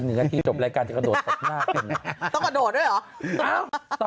เนื้อที่จบรายการจะกระโดดตกหน้าต้องกระโดดด้วยเหรอเอาต่อ